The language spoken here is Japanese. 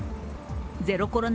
ゼロコロナ